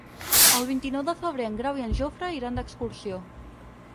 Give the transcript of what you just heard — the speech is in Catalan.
El vint-i-nou de febrer en Grau i en Jofre iran d'excursió.